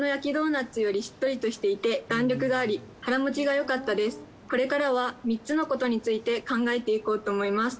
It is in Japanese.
わかったことはこれからは３つのことについて考えていこうと思います。